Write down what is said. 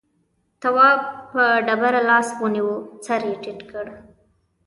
تواب په ډبره لاس ونيو سر يې ټيټ کړ.